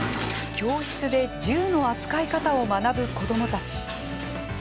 教室で銃の扱い方を学ぶ子どもたち。